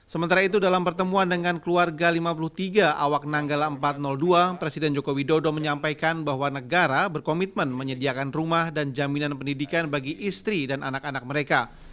sementara itu dalam pertemuan dengan keluarga lima puluh tiga awak nanggala empat ratus dua presiden jokowi dodo menyampaikan bahwa negara berkomitmen menyediakan rumah dan jaminan pendidikan bagi istri dan anak anak mereka